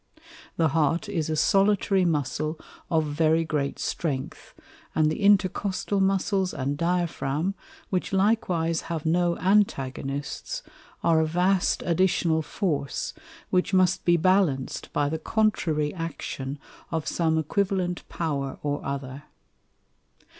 The Heart is a Solitary Muscle of very great strength, and the Intercostal Muscles and Diaphragm, which likewise have no Antagonists, are a vast additional Force, which must be balanc'd by the contrary Action of some equivalent Power or other.